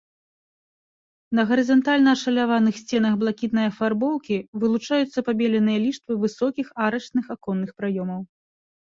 На гарызантальна ашаляваных сценах блакітнай афарбоўкі вылучаюцца пабеленыя ліштвы высокіх арачных аконных праёмаў.